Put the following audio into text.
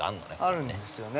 ◆あるんですよね。